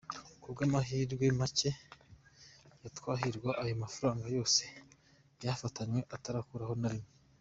Ku bw’amahirwe make ya Twahirwa, ayo mafaranga yose yayafatanywe atarakuraho na rimwe.